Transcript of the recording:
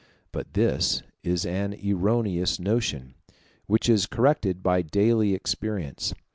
But this is an erroneous notion, which is corrected by daily experience.